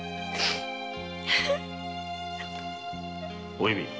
お弓